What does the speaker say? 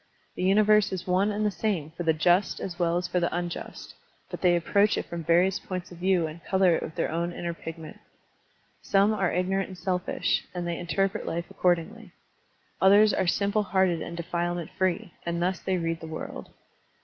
The universe is one and the. same for the just as well as for the unjust, but they approach it from various points of view and color it with their own inner pigment. Some are ignorant and selfish, and they interpret life accordingly. Others are simple hearted and defilement free, and thus they read the world.